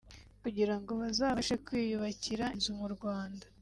kugira ngo bazabashe kwiyubakira inzu mu Rwanda